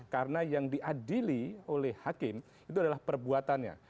karena yang diadili oleh hakim itu adalah perbuatannya